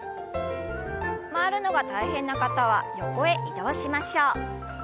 回るのが大変な方は横へ移動しましょう。